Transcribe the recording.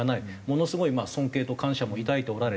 ものすごい尊敬と感謝も抱いておられた。